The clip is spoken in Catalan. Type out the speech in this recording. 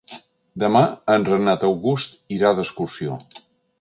Demà en Renat August irà d'excursió.